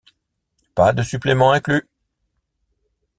Pas de suppléments inclus.